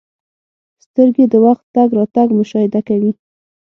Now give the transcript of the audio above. • سترګې د وخت تګ راتګ مشاهده کوي.